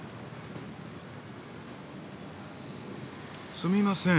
すみません。